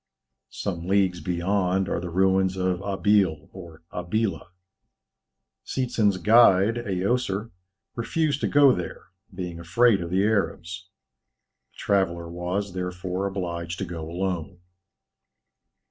Some leagues beyond are the ruins of Abil or Abila. Seetzen's guide, Aoser, refused to go there, being afraid of the Arabs. The traveller was, therefore, obliged to go alone.